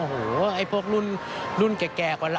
อ๋อโหพวกรุ่นแก่กว่าเรา